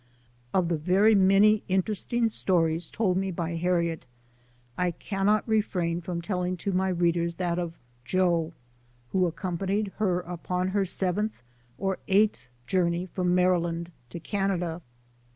Of the very many interesting stories told me by Harriet, I cannot refrain from telling to my read ers that of Joe, who accompanied her upon her sev enth or eighth journey from Maryland to Canada.